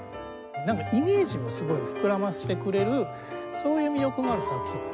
なんかイメージをすごい膨らませてくれるそういう魅力もある作品。